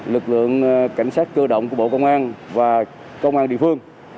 lực lượng cảnh sát cơ động của bộ công an và công an địa phương